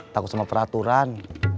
takut sama peraturan